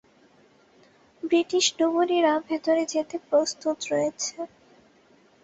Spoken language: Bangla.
ব্রিটিশ ডুবুরিরা ভেতরে যেতে প্রস্তুত রয়েছে।